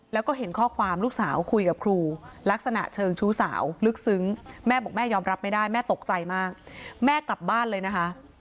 แล้วก็เห็นข้อความลูกสาวคุยกับครูลักษณะเชิงชู้สาวลึกซึ้งแม่บอกแม่ยอมรับไม่ได้แม่ตกใจมากแม่กลับบ้านเลยนะคะ